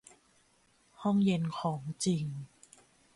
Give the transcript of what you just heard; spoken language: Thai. ห้องเย็นของจริง